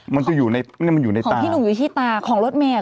มันจะอยู่ในเนี้ยมันอยู่ในตาของพี่หนุ่มอยู่ที่ตาของรถเมย์อ่ะ